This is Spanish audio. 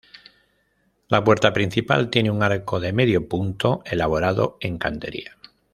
La puerta principal tiene un arco de medio punto elaborado en cantería.